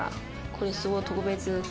これ、すごい特別。